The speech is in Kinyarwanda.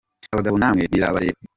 Abagabo namwe birabareba